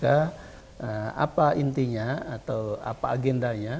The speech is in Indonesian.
apa intinya atau apa agendanya